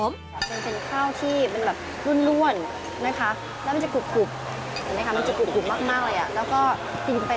มันเป็นข้าวที่มันแบบร่วนนะคะ